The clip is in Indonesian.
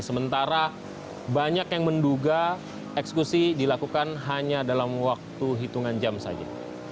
sementara banyak yang menduga eksekusi dilakukan hanya dalam waktu hitungan jam saja